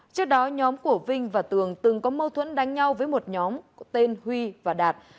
trước đó nhóm của vinh và tường từng có mâu thuẫn đánh nhau với một nhóm tên huy và đạt